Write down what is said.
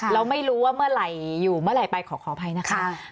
แล้วไม่รู้ว่าเมื่อไหร่อยู่เมื่อไหร่ไปขออภัยนะคะ